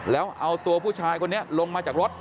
แล้วเอาตัวผู้ชายคนนี้ลงมาจากรถ